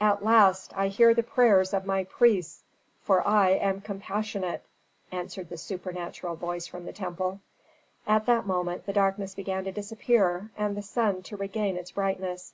"AT LAST I HEAR THE PRAYERS OF MY PRIESTS, FOR I AM COMPASSIONATE," answered the supernatural voice from the temple. At that moment the darkness began to disappear, and the sun to regain its brightness.